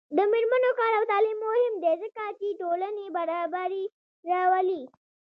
د میرمنو کار او تعلیم مهم دی ځکه چې ټولنې برابري راولي.